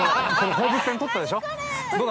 ◆放物線とったでしょう。